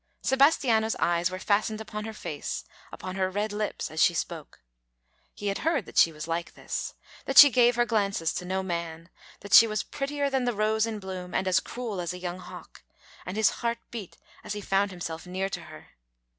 Sebastiano's eyes were fastened upon her face, upon her red lips, as she spoke. He had heard that she was like this; that she gave her glances to no man; that she was prettier than the rose in bloom, and as cruel as a young hawk, and his heart beat as he found himself near to her.